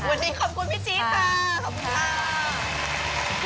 วันนี้ขอบคุณพี่จี๊ดค่ะขอบคุณค่ะ